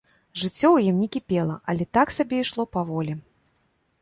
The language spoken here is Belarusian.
Жыццё ў ім не кіпела, але так сабе ішло паволі.